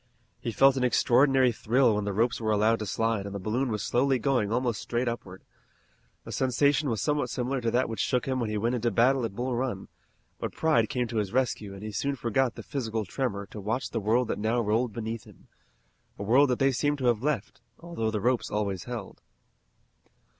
He felt an extraordinary thrill when the ropes were allowed to slide and the balloon was slowly going almost straight upward. The sensation was somewhat similar to that which shook him when he went into battle at Bull Run, but pride came to his rescue and he soon forgot the physical tremor to watch the world that now rolled beneath them, a world that they seemed to have left, although the ropes always held.